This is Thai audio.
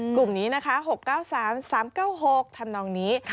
กลุ่มนี้นะคะ๖๙๓๓๙๖ทำนองนี้